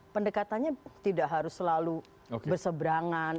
pendekatannya tidak harus selalu berseberangan